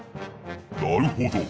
なるほど。